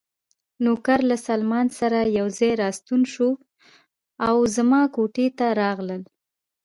نوکر له سلمان سره یو ځای راستون شو او زما کوټې ته راغلل.